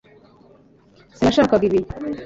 sinashakaga ibi